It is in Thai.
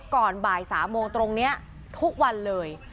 ก่อนบ่าย๓โมงตรงนี้ทุกวันเลย